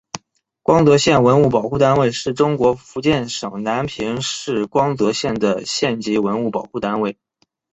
光泽县文物保护单位是中国福建省南平市光泽县的县级文物保护单位。